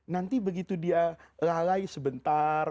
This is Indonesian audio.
nanti begitu dia lalai sebentar